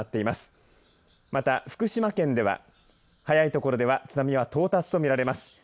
また、福島県では早いところでは津波が到達と見れます。